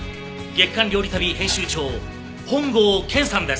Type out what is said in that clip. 『月刊料理旅』編集長本郷健さんです。